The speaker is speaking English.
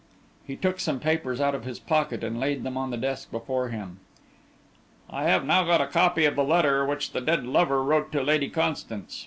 He took some papers out of his pocket and laid them on the desk before him. "I have now got a copy of the letter which the dead lover wrote to Lady Constance.